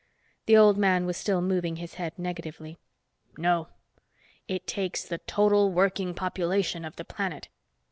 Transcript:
The old man was still moving his head negatively. "No. It takes the total working population of the planet.